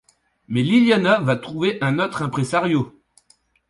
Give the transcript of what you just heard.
Mais Liliana va trouver un autre impresario...